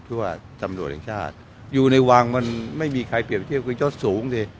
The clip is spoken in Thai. เพื่อซำโรธแห่งชาติอยู่ในวังมันไม่มีใครเปรียบเชียบกว่ายเจ้าสูงสิ